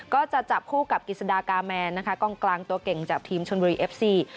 ก็จะจับคู่กับกิจสดากาแมนนะคะกล้องกลางตัวเก่งจากทีมชนบุรีเอฟซี